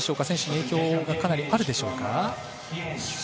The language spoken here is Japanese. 選手に影響がかなりあるでしょうか。